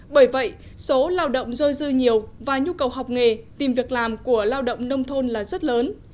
bởi vậy số lao động dôi dư nhiều và nhu cầu học nghề tìm việc làm của lao động nông thôn là rất lớn